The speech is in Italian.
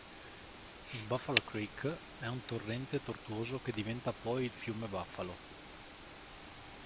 Il Buffalo Creek è un torrente tortuoso che diventa poi il fiume Buffalo.